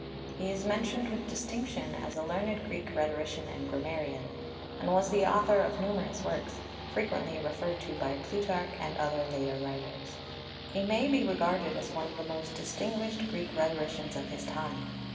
He is mentioned with distinction as a learned Greek rhetorician and grammarian, and was the author of numerous works, frequently referred to by Plutarch and other later writers. He may be regarded as one of the most distinguished Greek rhetoricians of his time.